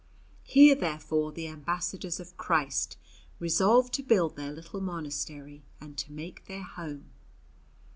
Here, therefore, the ambassadors of Christ resolved to build their little monastery and to make their home.